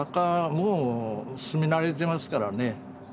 もう住み慣れてますからね。